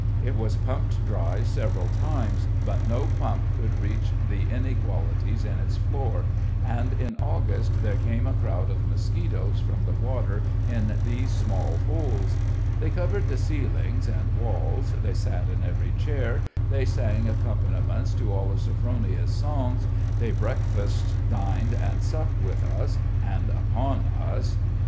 It was pumped dry several times, but no pump could reach the inequalities in its floor, and in August there came a crowd of mosquitoes from the water in these small holes. They covered the ceilings and walls, they sat in every chair, they sang accompaniments to all of Sophronia's songs, they breakfasted, dined, and supped with us and upon us.